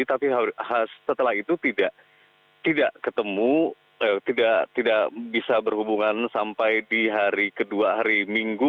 tapi setelah itu tidak ketemu tidak bisa berhubungan sampai di hari kedua hari minggu